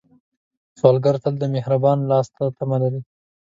سوالګر تل د مهربان لاس تمه لري